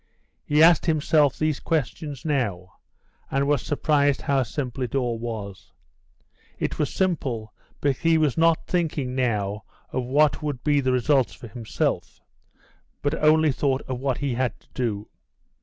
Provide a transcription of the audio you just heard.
He asked himself these questions now, and was surprised how simple it all was. It was simple because he was not thinking now of what would be the results for himself, but only thought of what he had to do.